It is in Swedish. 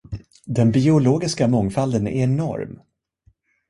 Den biologiska mångfalden är enorm.